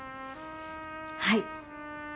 はい。